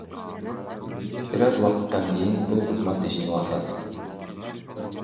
Бир аз убакыттан кийин бул кызмат ишин улантат.